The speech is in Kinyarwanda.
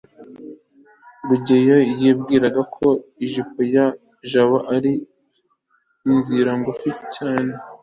rugeyo yibwiraga ko ijipo ya jabo ari inzira ngufi cy